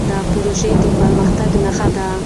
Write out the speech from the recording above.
پروژه د پرمختګ نښه ده.